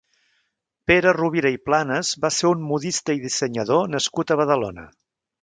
Pere Rovira i Planas va ser un modista i dissenyador nascut a Badalona.